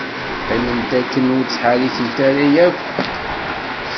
Qqimemt akken ur ttḥerrikemt ara akk.